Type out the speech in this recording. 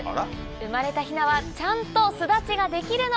生まれたヒナはちゃんと巣立ちができるのか？